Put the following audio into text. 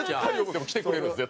でも来てくれるんですよ